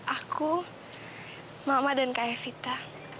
aku mama dan kak evita